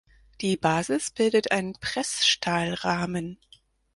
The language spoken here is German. Die Basis bildet ein Pressstahlrahmen.